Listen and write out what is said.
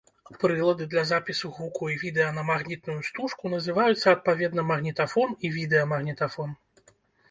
Прылады для запісу гуку і відэа на магнітную стужку называюцца адпаведна магнітафон і відэамагнітафон.